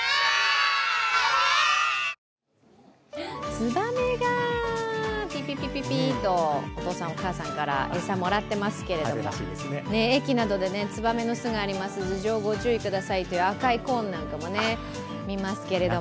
つばめが、ピピピとお父さん、お母さんから餌もらってますけど、駅などでつばめの巣があります、頭上ご注意くださいなんていう赤いコーンなんかも見ますけども。